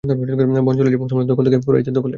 বল চলে যায় মুসলমানদের দখল থেকে কুরাইশদের দখলে।